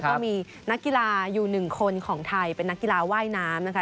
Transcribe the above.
ก็มีนักกีฬาอยู่หนึ่งคนของไทยเป็นนักกีฬาว่ายน้ำนะคะ